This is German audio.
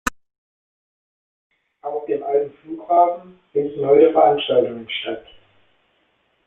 Auf dem alten Flughafen finden heute Veranstaltungen statt.